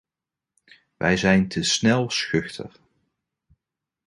We zijn te snel schuchter.